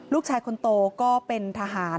ลูกชายคนโตก็เป็นทหาร